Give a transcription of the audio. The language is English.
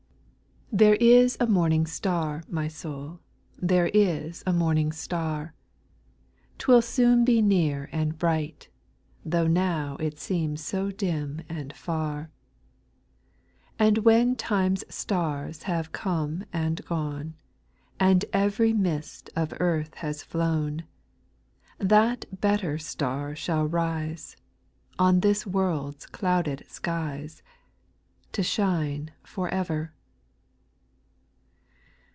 1. rpHERE is a morning star, my soul, A There is a morning at«t \ 10 \ 110 SPIRITUAL SONGS. " T will soon be near and bright, tho' now It seems so dim and far. And when time's stars have come and gone, And every mist of earth has flown, That better star shall rise, On this world's clouded skies, To shine for ever.